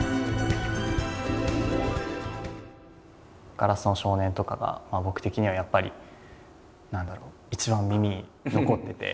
「硝子の少年」とかが僕的にはやっぱり何だろう一番耳に残ってて。